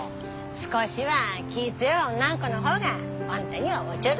少しは気強い女ん子のほうがあんたにはおうちょる。